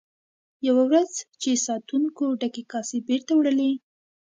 یوه ورځ چې ساتونکو ډکې کاسې بیرته وړلې.